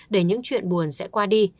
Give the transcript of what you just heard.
để những chuyện buồn sẽ qua đi